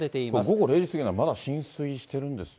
午後０時過ぎでまだ浸水してるんですね。